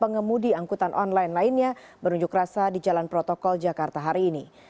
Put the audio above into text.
pengemudi angkutan online lainnya berunjuk rasa di jalan protokol jakarta hari ini